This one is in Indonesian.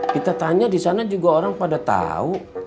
kita tanya disana juga orang pada tahu